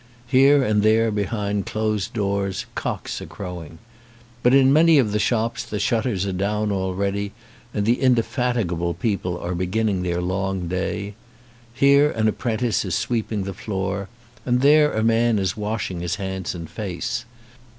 Here and there behind closed doors cocks are crowing. But in many of the shops the shutters are down already and the indefatigable people are beginning their long day. Here an apprentice is sweeping the floor, and there a man is washing his hands and face.